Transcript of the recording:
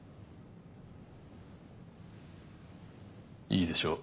いいでしょう。